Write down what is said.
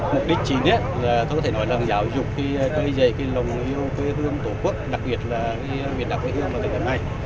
mục đích chính là giáo dục cây dày lòng yêu quê hương tổ quốc đặc biệt là biển đảo quê hương tổ quốc này